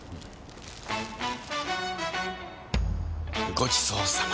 ごちそうさま！